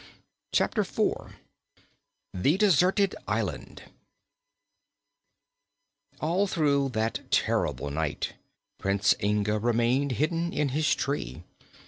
Chapter Four The Deserted Island All through that terrible night Prince Inga remained hidden in his tree.